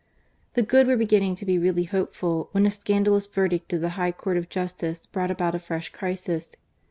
The good were beginning to be really, hopeful, when a scandalous verdict of the High Court of Justice brought about a fresh crisis.